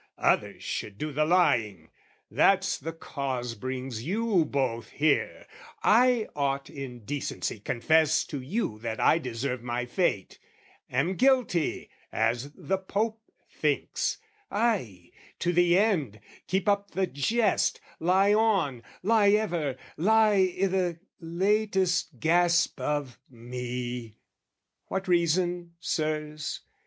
Others should do the lying. That's the cause Brings you both here: I ought in decency Confess to you that I deserve my fate, Am guilty, as the Pope thinks, ay, to the end, Keep up the jest, lie on, lie ever, lie I' the latest gasp of me! What reason, Sirs?